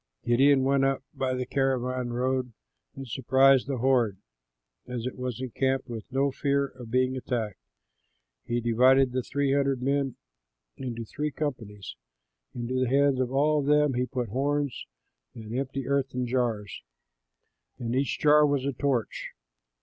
Gideon went up by the caravan road and surprised the horde as it was encamped with no fear of being attacked. He divided the three hundred men into three companies. Into the hands of all of them he put horns and empty earthen jars. In each jar was a torch.